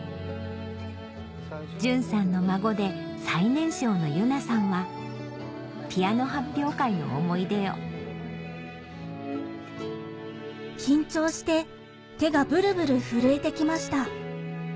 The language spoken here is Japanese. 淳さんの孫で最年少の結那さんはピアノ発表会の思い出を「緊張して手がブルブル震えて来ました。